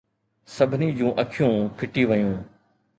سڀني جون اکيون ڦٽي ويون